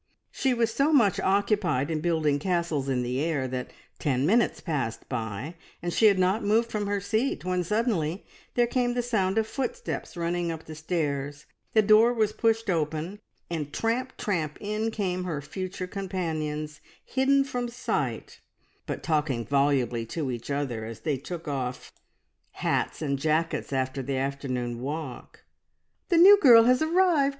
She was so much occupied in building castles in the air that ten minutes passed by and she had not moved from her seat, when suddenly there came the sound of footsteps running up the stairs, the door was pushed open, and tramp, tramp, in came her future companions, hidden from sight, but talking volubly to each other as they took off hats and jackets after the afternoon walk. "The new girl has arrived!"